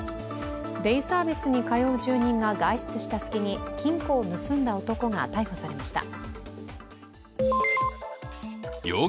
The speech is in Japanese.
デイサービスに通う住人が外出した隙に金庫を盗んだ男が逮捕されました。